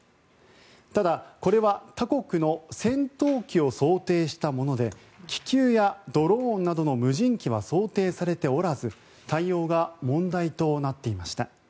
ただ、これは他国の戦闘機を想定したもので気球やドローンなどの無人機は想定されておらず対応が問題となっていました。